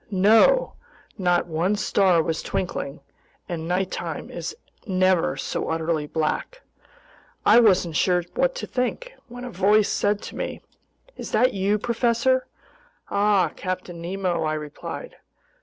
No! Not one star was twinkling, and nighttime is never so utterly black. I wasn't sure what to think, when a voice said to me: "Is that you, professor?" "Ah, Captain Nemo!" I replied.